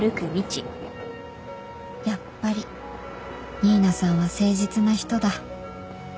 やっぱり新名さんは誠実な人だ